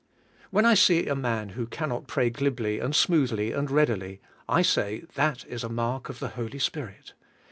When 1 see a man who can not pray glibly and smoothly and readily, I say that is a mark of the Holy Spirit.